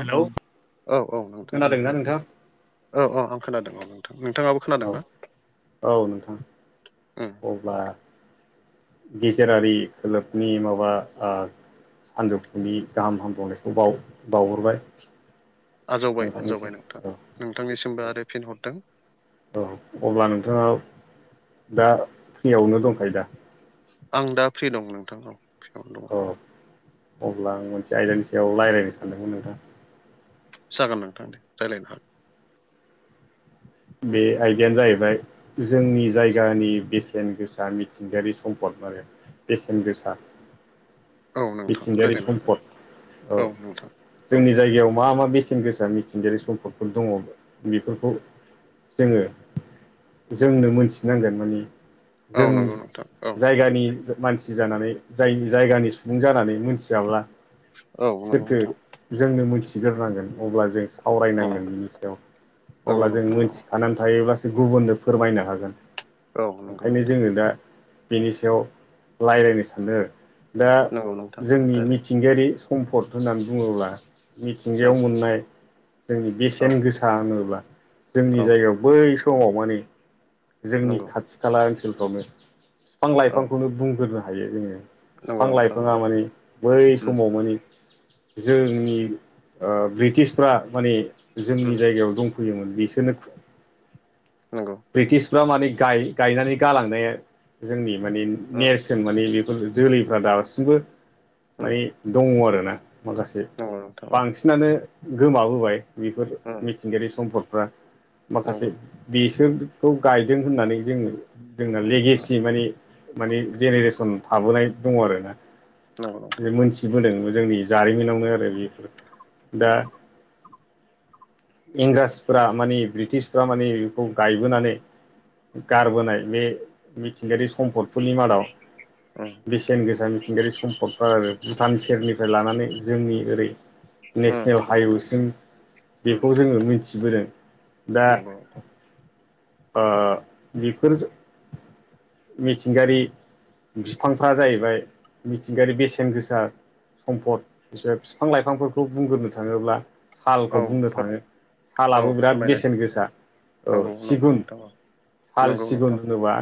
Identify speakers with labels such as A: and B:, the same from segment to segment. A: Hello
B: औ औ नोंथां
A: खोनादोंना नोंथां?
B: औ औ आं खोनादों नोंथां नोंथाङाबो
A: औ
B: खोनादोंना
A: औ नोंथां
B: उम
A: अब्ला गेजेरारि खोलोबनि माबा हान्जौफुनि गाहाम हामबावनायखौ बाव बावहरबाय
B: आजावबाय आजावबाय
A: नोंथांनिसिम
B: नोंथां
A: औ
B: नोंथांनिसिमबो
A: औ
B: आरो फिनहरदों
A: औ अब्ला नोंथाङा दा फ्रियावनो दंखायो दा
B: आं दा फ्रि दं नोंथां औ फ्रियावनो दङ
A: अ
B: आं।
A: अब्ला आं मोनसे आयदानि सायाव रायज्लायनो सानदोंमोन नोंथां
B: जागोन नोंथां दे रायज्लायनो हागोन
A: बे आयदायानो जाहैबाय जोंनि जायगानि बेसेन गोसा मिथिंगायारि सम्पदफोर आरो बेसेन गोसा
B: औ नोंथां
A: मिथिंगायारि
B: रायज्लायनो हागोन
A: सम्पद औ
B: नोंथां औ
A: जोंनि जायगायाव मा मा बेसेन गोसा मिथिंगायारि सम्पदफोर दंङ' बेफोरखौ जोंङो जोंनो मोनथिनांगोन माने जों जायगानि मानसि जानानै जाय-जायगानि सुबुं जानानै मोनथियाब्ला
B: औ नंगौ
A: सोरथो
B: नोंथां
A: जोंनो मोनथिग्रोनांगोन अब्ला जों
B: औ
A: सावरायनांगोन बिनि सायाव
B: नंगौ
A: अब्ला जों
B: नोंथां औ नंगौ नोंथां औ
A: मिथि थानानै थायोब्लासो गुबुननो फोरमायनो हागोन
B: औ नंगौ
A: ओंखायनो
B: नोंथां
A: जोंङो दा बेनि सायाव रायज्लायनो सानो दा
B: नंगौ नोंथां
A: जोंनि मिथि
B: रायलाय
A: मिथिंगायारि सम्पद होननानै बुङोब्ला मिथिंगायाव
B: उम
A: मोननाय जोंनि
B: औ
A: बेसेन गोसा होनोब्ला जोंनि
B: औ
A: जायगायाव बै समाव माने जोंनि
B: नंगौ
A: खाथि खाला ओनसोलफ्रावनो बिफां
B: औ
A: लाइफांखौनो बुंग्रोनो हायो जोंङो
B: नंगौ
A: बिफां
B: नोंथां औ
A: लाइफाङा माने बै
B: उम
A: समाव माने जोंनि ओ ब्रिटिसफ्रा माने जोंनि
B: उम
A: जायगायाव दं फैयोमोन बिसोरनो
B: नंगौ।
A: ब्रिटिसफ्रा माने गाय-गायनानै गालांनाया जोंनि माने
B: उम
A: नेरसोन माने बेफोर जोलैफ्रा दासिमबो
B: उम
A: माने दंङ' आरोना माखासे
B: नंगौ नोंथां औ
A: बांसिनानो गोमाबोबाय बेफोर
B: उम
A: मि थिंगायारि सम्पदफ्रा माखासे
B: नंगौ
A: बेसोरखौ गायदों होननानै जोंङो जोंना
B: उम
A: लेगेसि माने माने जेनेरेसन थाबोनाय दंङ' आरोना
B: नंगौ नोंथां
A: जों मोनथिबोदों जोंनि जारिमिनावनो आरो बेफोर दा
B: उम
A: इंराजफोरा माने ब्रिटिसफ्रा माने खौ गायबोनानै गारबोनाय बे मिथिंगायारि सम्पद फोरनि मादाव
B: उम
A: बेसेन गोसा मिथिंगायारि सम्पदफोर आरो भुटान सेरनिफ्राय लानानै जोंनि ओरै
B: उम
A: नेसनेल
B: नंगौ नोंथां
A: हाइवेसिम
B: उम
A: बेखौ जोङो मिथिबोदों दा
B: [inaudible]
A: ओ बेफोर मिथिंगायारि बिफांफ्रा जाहैबाय मिथिंगायारि बेसेन गोसा सम्फद बिसोर बिफां लाइफांफोरखौ बुंग्रोनो थांङोब्ला
B: औ
A: सालखौ बुंनो
B: फोर
A: थांङो
B: औ
A: सालाबो बिराद
B: फोरमायनाय
A: बेसेन गोसा ओ
B: नंगौ नंगौ
A: सिगुन
B: नोंथां औ
A: साल
B: नंगौ
A: सिगुन
B: नोंथां
A: होनोबा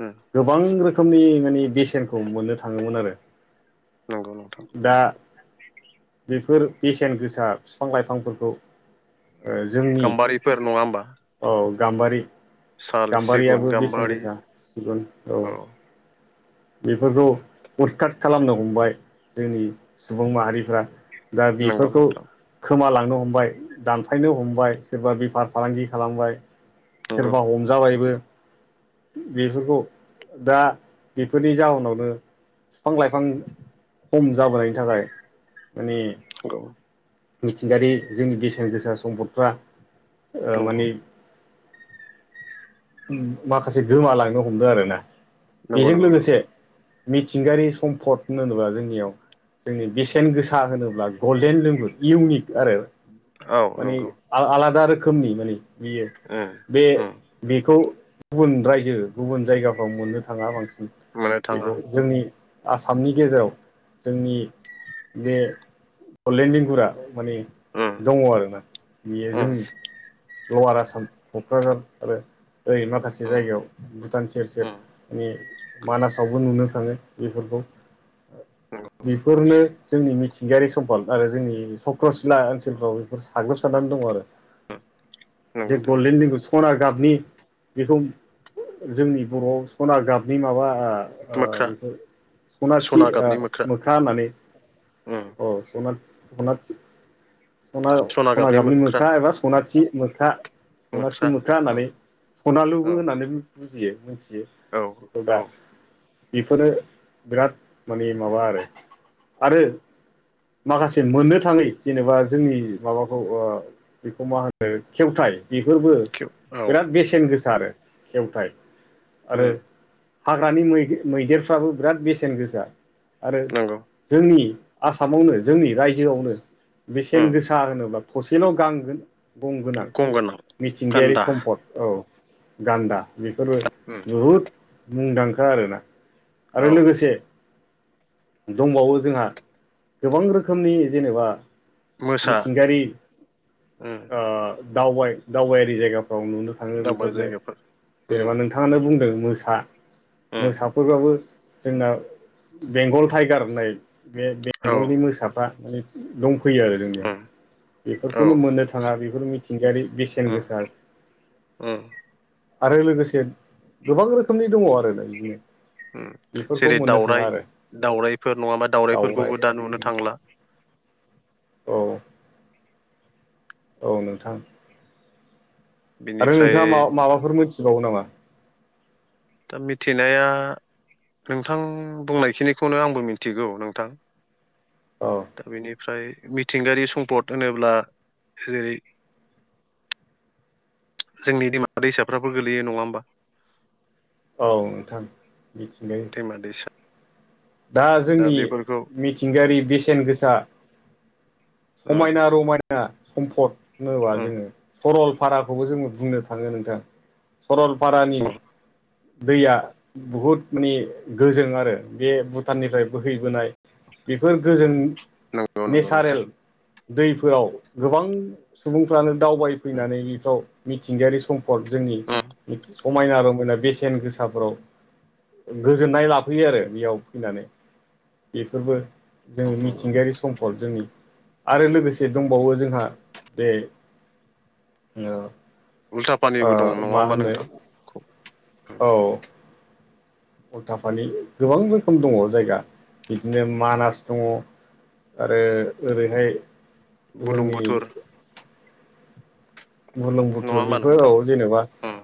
B: उम
A: गोबां रोखोमनि माने बेसेनखौ मोननो थाङोमोन आरो
B: नंगौ नोंथां
A: दा बेफोर बेसेन गोसा बिफां लाइफांफोरखौ ओ जोंनि
B: फोर नङा होमबा
A: औ गाम
B: साल सिगुन
A: गाम्बारियाबो बेसेन
B: गाम्बारि
A: गोसा सिगुन औ बेफोरखौ उदकाट खालामनो हमबाय जोंनि सुबुं माहारिफ्रा दा
B: नंगौ
A: बेफोरखौ
B: नोंथां
A: खोमालांनो हमबाय दानफायनो हमबाय सोरबा बेफार फालांगि खालामबाय
B: नंगौ
A: सोरबा हमजाबायबो बेफोरखौ दा बेफोरनि जााहोनावनो बिफां लाइफां खम जाबोनायनि थाखाय माने
B: [unintelligible]
A: मिथिंगायारि जोंनि बेसेन गोसा सम्पदफ्रा ओ माने
B: नंगौ
A: माखासे गोमालांनो हमदों आरोना
B: नंगौ
A: बेजों
B: नंगौ
A: लोगोसे
B: नंगौ
A: मिथिंगायारि सम्फद होनोब्ला जोंनियाव जोंनि बेसेन गोसा होनोब्ला गल्डेन लेंगुर इउनिक आरो
B: औ
A: माने
B: नंगौ
A: आ-आलादा रोखोमनि माने बियो
B: उम
A: बे
B: उम
A: बेखौ गुबुन रायजो गुबुन जायगाफ्राव मोननो थांङा बांसिन।
B: मोननो थाङा
A: बेखौ जोंनि आसामनि गेजेराव जोंनि बे बडलेण्ड लिंगुरा माने
B: उम
A: दंङ आरोना बियो
B: उम
A: जोंनि लवार आसाम क'क्राझार आरो ओरै माखासे
B: उम
A: जायगायाव भुटान सेर सेर
B: उम
A: मे मानासावबो नुनो थांङो बेफोरखौ
B: नंगौ
A: बेफोरनो जोंनि मिथिंगायारि सम्पद आरो जोंनि सक्रसिला ओनसोलफ्राव बेफोर साग्लोबसारनानै दंङ आरो।
B: नंगौ
A: जे
B: नोंथां
A: गलदेनलिंगुस सना गाबनि बेखौ जोंनि बर'आव सना गाबनि माबा ओ ओ
B: मोख्रा
A: बेखौ सनाथि
B: सना
A: ओ
B: गाबनि
A: मोख्रा होननानै
B: उम
A: अ सना सनाथि सना सनागाबनि मोख्रा एबा सनाथि मोख्रा सनाथि मोख्रा होननानै सनालुबो
B: औ
A: होननानै बुजियो मिथियो
B: औ
A: बेखौ दा।
B: औ
A: बेफोरो बिराद माने माबा आरो आरो माखासे मोननो थांङै जेनेबा जोंनि माबाखौ बेखौ मा होनो खेवथाय बेफोरबो
B: औ
A: बिराद बेसेन गोसा आरो खेवथायाइ आरो
B: उम
A: हाग्रानि मैदे-मैदेरफ्राबो बिराद बेसेन गोसा आरो
B: नंगौ
A: जोंनि आसामावनो जोंनि रायजोआवनो
B: उम
A: बेसेन गोसा होनोब्ला थसेल' गांगोन गंगोनां
B: गंगोनां
A: मिथिंगायारि
B: गान्दा
A: सम्फद‌। औ गान्दा बेफोरबो
B: उम
A: बहुद मुंदांखा आरोना।
B: औ
A: आरो लोगोसे दंबावो जोंहा गोबां रोखोमनि जेनेबा
B: मोसा
A: मिथिंगायारि
B: उम
A: दावबाय दावबायारि जायगाफ्राव नुनो थाङो
B: दावबारि
A: बेफोरनो
B: जायगाफोर उम
A: जेनेबा नोंथांङानो बुंदों मोसा
B: उम
A: मोसा बेफोरबाबो जोंना बेंगल टाइगार होननाय बे
B: औ
A: बेंगलनि मोसाफ्रा माने दंफैयो आरो जोंनियाव
B: उम औ
A: बेफोरखौनो मोननो था थांङा बेफोर मिथिंगायारि बेसेन
B: उम
A: गोसा।
B: उम
A: आरो लोगोसे गोबां रोखोमनि दंङ आरोना बिदिनो।
B: उम
A: बेफोरखौ
B: जेरै
A: मोननो थाङा
B: दाउराइ
A: आरो
B: दाउरायफोर नंङाबा
A: दावराइ
B: दाउरायफोरखौबो दा नुनो थांला।
A: औ औ नोंथां आरो
B: बिनिफ्राय
A: नोंथांङा मा-माबाफोर मिथिबावो नामा?
B: दा मिथिनाया नोंथां बुंनायखिनिखौनो आंबो मिन्थिगौ नोंथां।
A: औ
B: दा बेनिफ्राय मिथिंगायारि सम्पद होनोब्ला जेरै जोंनि दैमा दैसाफोराबो गोलैयो नंङा होमबा?
A: औ नोंथां मिथिंगायारि
B: मा दैसा
A: दा जोंनि मिथिंगायारि बेसेन गोसा
B: उम
A: समायना रमायना सम्पद होनोबा जोंङो सरलपाराखौबो जोंङो बुंनो थांङो नोंथां सरलपारानि
B: उम
A: दैया बहुद माने गोजों आरो बे भुटाननिफ्राय बोहैबोनाय। बेफोर गोजोन
B: नंगौ नंगौ नोंथां
A: नेचारेल दैफोराव गोबां सुबुंफ्रानो
B: उम
A: दावबायफैनानै बेफ्राव मिथिंगायारि सम्पद जोंनि
B: उम
A: समायना रमायना बेसेन गोसाफोराव, गोजोननाय लाफैयो आरो बेयाव फैनानै, बेफोरबो जोङो
B: नंगौ
A: मिथिंगायारि सम्पद जोंनि, आरो लोगोसे दंबावो जोंहा बे
B: उल्था
A: ओ
B: पानिबो दं नङा
A: मा
B: ओनबा
A: होनो
B: नोंथां, खौ उम
A: औ उल्थाफानि गोबां रोखोम दङ जायगा बिदिनो मानास दङ, आरो ओरैहाय, जोंनि
B: बुलुंबुथुर,
A: बुरलुं
B: नङा
A: बुथुर
B: होमबा
A: बेफोर औ
B: नोंथां
A: जेनेबा
B: उम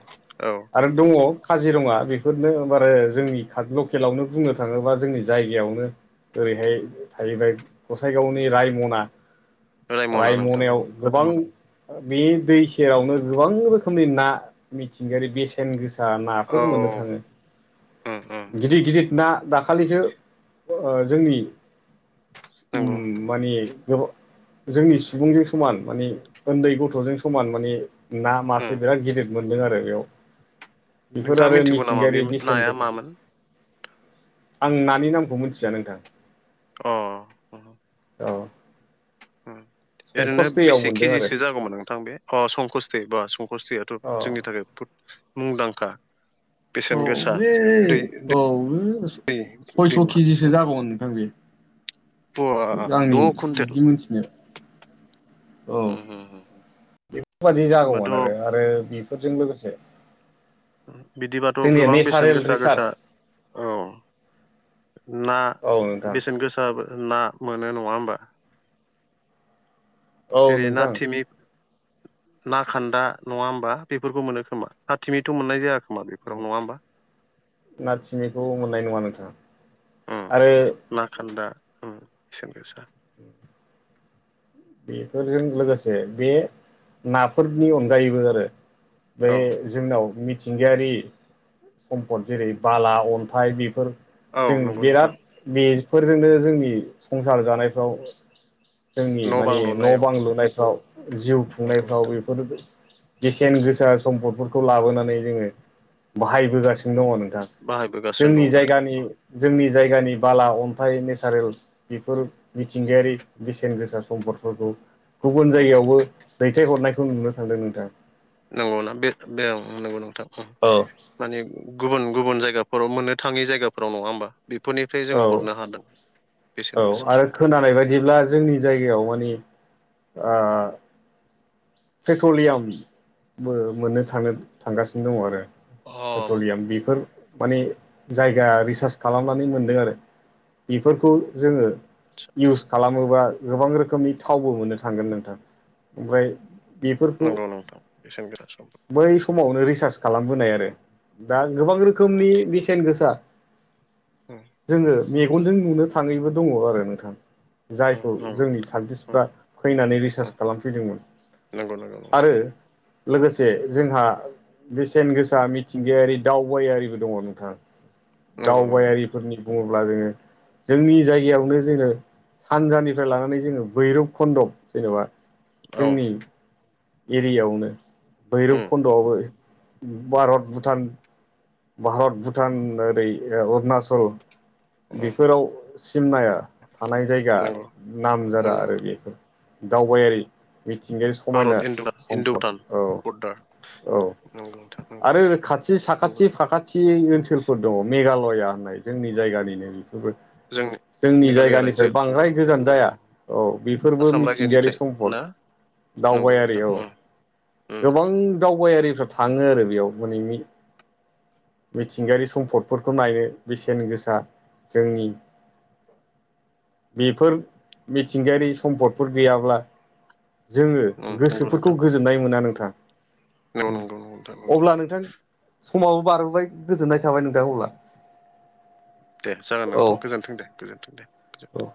B: औ
A: आरो दङ काजिरङा बेफोरनो बार जोंनि लकेलावनो बुंनो थाङोबा जोंनि जायगायावनो, ओरैहाय थाहैबाय गसाइगावनि रायमना,
B: रायमना नोंथां औ
A: रायमनायाव गोबां बे दै सेरावनो गोबां रोखोमनि ना मिथिंगायारि बेसेन गोसा
B: औ
A: नाफोर मोननो थाङो।
B: उम उम
A: गिदिर गिदिर ना दाखालिसो ओ जोंनि,
B: नंगौ
A: माने गोबां जोंनि सुबुंजों समान माने, उन्दै गथ'जों समान माने ना मासे
B: उम।
A: बिराद गिदिर मोनदों आरो बेयाव, बेफोर
B: नोंथाङा
A: आरो
B: मिथिगौ नामा बे
A: मिथिंगायारि बेसेन
B: नाया
A: गोसा,
B: मामोन
A: आं नानि नामखौ मिथिया नोंथां,
B: अ अ अ
A: औ
B: ओम ओरैनो
A: संकस दैयाव
B: बेसे
A: मोनदों आरो
B: केजिसो जागौमोन नोंथां बे संकस्त दै बा संकस्त दैया
A: औ
B: जोंनि थाखाय बहुद मुंदांखा,
A: औ
B: बेसेन गोसा
A: बे
B: दै
A: औ
B: दै दैमा,
A: जगोन नोंथां बे
B: बा
A: आंनि
B: द' कुन्टेल
A: बिदि मोनथिनाय, औ
B: होमबाथ'
A: बेफोरबादि जागौमोन आरो आरो बेफोरजों लोगोसे
B: बिदिबाथ'
A: जोंनिया
B: गोबां बेसेन
A: नेचारेल
B: गोसा
A: रिसार्च
B: गोसा औ ना?
A: औ नोंथां
B: बेसेन गोसा ना मोनो नङा होमबा,
A: औ
B: जेरै ना
A: नोंथां
B: थिमि, ना खान्दा नङा होनबा बेफोरखौ मोनो खोमा ना थिंमिथ' मोननाय जाय खोमा बेफोराव नङा होमबा,
A: ना थिमिखौ मोननाय नङा नोंथाङा
B: उम
A: आरो
B: ना खान्दा ओम बेसेन गोसा,
A: [unintelligible] बेफोरजों लोगोसे बे नाफोरनि अनगायैबो आरो बे
B: औ
A: जोंनाव मिथिंगायारि सम्पद जेरै बाला अन्थाइ बेफोर
B: औ
A: जों
B: नंगौ नोंथां
A: बिराद बेफोरजोंनो जोंनि संसार जानायफ्राव जों
B: बां
A: माने न'
B: लुनायाव
A: बां लुनायफ्राव जिउ
B: नंगौ
A: खुंनायफ्राव
B: नोंथां
A: बेफोरबो बेसेन गोसा सम्पदफोरखौ लाबोनानै जोङो बाहायबोगासिनो दङ नोंथां,
B: बाहायबोगासिनो
A: जोंनि
B: दं
A: जायगानि
B: नोंथां
A: जोंनि जायगानि बाला अन्थाइ नेसारेल बेफोर मिथिंगायारि बेसेन गोसा सम्पदफोरखौ गुबुन
B: उम
A: जायगायावबो दैथायहरनायखौ नुनो थांदों नोंथां,
B: नंगौना बे नंगौ नोंथां
A: औ
B: माने गुबुन गुबुन जायगाफोराव मोननो थाङै जायगाफोराव नङा होमबा, बेफोरनिफ्राय जोङो हरनो हादों बेसेन गोसा सम्पद,
A: जानाय बायदिब्ला, जोंनि जायगायाव मानि आ पेट्रलियामबो मोननो थांनो थांगासिनो दङ आरो
B: अ
A: पेट्रलियाम बेफोर माने जायगा रिसार्च खालामनानै मोनदों आरो बेफोरखौ जोङो। इउस खालामोबा गोबां रोखोमनि थावबो मोननो थांगोन नोंथां ओमफ्राय, बेफोरखौ
B: नंगौ नोंथां बेसेनगोरा समखौ
A: खमावनो रिसार्च खालामबोनाय आरो दा गोबां रोखोमनि बेसेन गोसा
B: [inaudible]
A: जोङो मेगनजों नुनो थाङैबो दङ आरो नोंथां।
B: उम
A: जायखौ
B: नंगौ
A: जोंनि
B: नोंथां उम
A: साइन्टिस्टफ्रा फैनानै रिसार्च खालामफैदोंमोन।
B: नोंगौ-नोंगौ
A: आरो लोगोसे जोंहा बेसेन गोसा मिथिंगायारि दावबायारिबो दङ नोंथां।
B: नंगौ नंगौ नोंथां
A: दावबायारिफोरनि बुङोब्ला जोङो जोंनि जायगायावनो जोङो सानजानिफ्राय लानानै जोङो भैरब खन्द जेनेबा
B: औ उम
A: जोंनि एरियायावनो भैरब
B: उम
A: खन्द'आवबो भारत भुटान भारत भुटान ओरै अरुणाचल बेफोराव सिमनाया थानाय जायगा
B: नंगौ
A: नामजादा
B: नंगौ
A: आरो
B: नोंथां
A: बेफोर। दावबायारि मिथिंगायारि समायना
B: भारत इन्द इन्द'
A: सम्पद
B: भुटान बर्डार
A: औ-औ।
B: नंगौ नोंथां नंगौ
A: आरो खाथि साखाथि
B: नंगौ
A: साखाथि ओनसोलफोर दङ मेघालया होननाय जोंनि जायगानिनो बेफोरबो।
B: जोङो
A: जोंनि जायगानिफ्राय बांद्राय गोजान जाया औ बेफोरबो
B: आसाम
A: मिथिंगायारि
B: रायजोनिफ्राय
A: सम्पद।
B: ना नंगौ
A: दावबायारि
B: नोंथां
A: औ
B: उम उम
A: गोबां दावबायारिफ्रा थाङो आरो बेयाव माने मिथिंगायारि सम्पदफोरखौ नायनो बेसेन गोसा जोंनि बेफोर मिथिंगायारि सम्पदफोर गैयाब्ला जोङो
B: उम नंगौ
A: गोसोफोरखौ
B: नोंथां
A: गोजोननाय मोना नोंथां
B: नंगौ नंगौ नंगौ नोंथां
A: उ
B: नंगौ
A: अब्ला नोंथां समाबो बारबोबाय गोजोननाय थाबाय नोंथां अब्ला।
B: दे जागोन
A: औ
B: नोंथां गोजोन्थों दे गोजोन्थों दे गोजोन्थों
A: औ